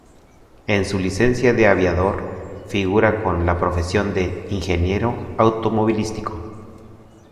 En su licencia de aviador figura con la profesión de ingeniero automovilístico.